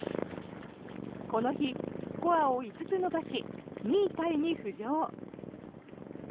この日、スコアを５つ伸ばし２位タイに浮上。